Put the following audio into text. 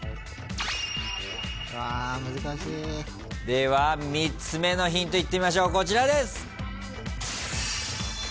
では３つ目のヒントいってみましょうこちらです。